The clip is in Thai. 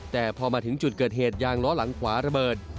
แต่พอมาถึงจุดเกิดเหตุยางล้อหลังขวาระเบิด